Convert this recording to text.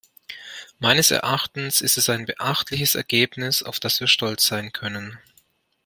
Meines Erachtens ist es ein beachtliches Ergebnis, auf das wir stolz sein können.